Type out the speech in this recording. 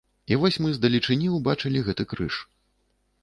І вось мы з далечыні ўбачылі гэты крыж.